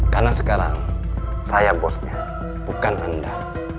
karena sekarang saya bosnya bukan anda